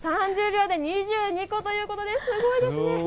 ３０秒で２２個ということですごいですね。